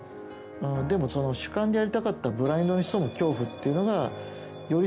でもその主観でやりたかったブラインドに潜む恐怖っていうのがより